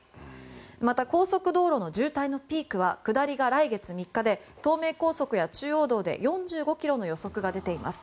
また、高速道路の渋滞のピークは下りが来月３日で東名高速や中央道で４５ｋｍの予測が出ています。